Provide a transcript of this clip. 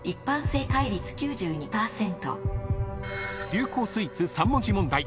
［流行スイーツ３文字問題］